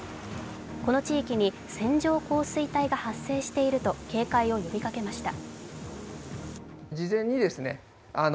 この地域に線状降水帯が発生していると警戒を呼びかけました。